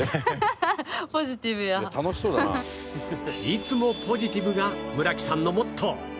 「いつもポジティブ」が村木さんのモットー